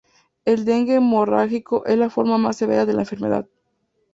El dengue hemorrágico es la forma más severa de la enfermedad.